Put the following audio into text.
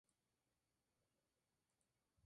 New York: Rough Guides.